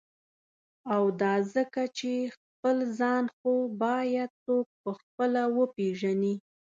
او دا ځکه چی » خپل ځان « خو باید څوک په خپله وپیژني.